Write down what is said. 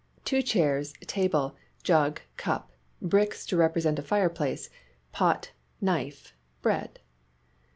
Two chairs, table, jug, cup, bricks to represent a fireplace, pot, knife, bread.